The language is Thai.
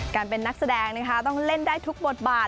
การเป็นนักแสดงนะคะต้องเล่นได้ทุกบทบาท